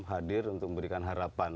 hadir untuk memberikan harapan